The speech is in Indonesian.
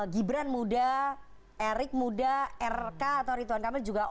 gibran muda erik muda rk atau rituan kamil juga